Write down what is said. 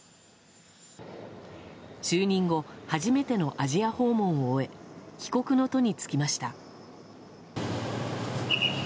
就任後初めてのアジア訪問を終え帰国の途に就きました。